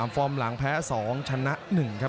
ฟอร์มหลังแพ้๒ชนะ๑ครับ